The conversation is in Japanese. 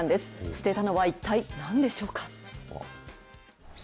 捨てたのは一体なんでしょうか。